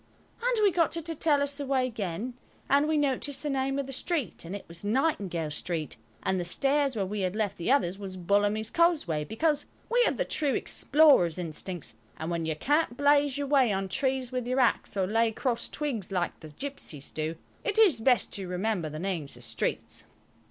And we got her to tell us the way again, and we noticed the name of the street, and it was Nightingale Street, and the stairs where we had left the others was Bullamy's Causeway, because we have the true explorer's instincts, and when you can't blaze your way on trees with your axe, or lay crossed twigs like the gipsies do, it is best to remember the names of streets.